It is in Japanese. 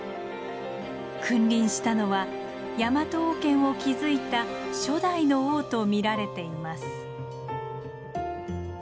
君臨したのはヤマト王権を築いた初代の王と見られています。